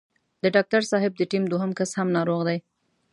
د ډاکټر صاحب د ټيم دوهم کس هم ناروغ دی.